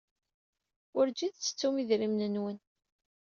Werjin tettettum idrimen-nwen.